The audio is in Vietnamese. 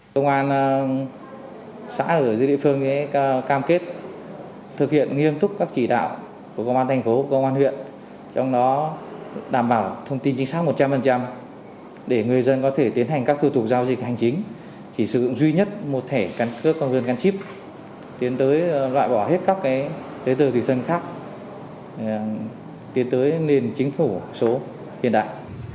công an xã ở dưới địa phương cam kết thực hiện nghiêm túc các chỉ đạo của công an thành phố công an huyện trong đó đảm bảo thông tin chính xác một trăm linh để người dân có thể tiến hành các thư thuộc giao dịch hành chính chỉ sử dụng duy nhất một thẻ cân cước công dân cân chip tiến tới loại bỏ hết các cái tờ thủy sân khác tiến tới nền chính phủ số hiện đại